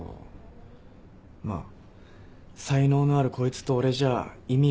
まあ才能のあるこいつと俺じゃ意味が違うか。